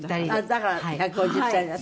だから１５０歳なの？